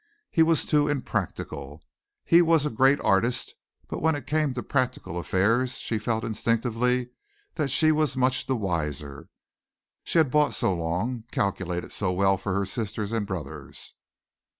He was too impractical. He was a great artist, but when it came to practical affairs she felt instinctively that she was much the wiser. She had bought so long, calculated so well for her sisters and brothers.